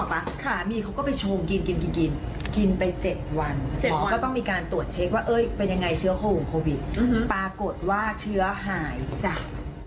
ปรากฏว่าเชื้อหายจาก